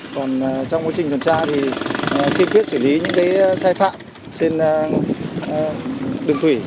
còn trong mối trình chuẩn tra thì kinh quyết xử lý những cái sai phạm trên đường thủy